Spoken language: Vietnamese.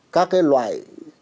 các cái loại